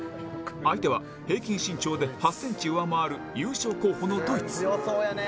相手は平均身長で８ｃｍ上回る優勝候補のドイツ。